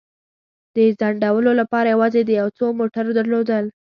د ځنډولو لپاره یوازې د یو څو موټرو درول.